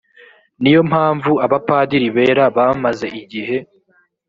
ni yo mpamvu abapadiri bera bamaze igihe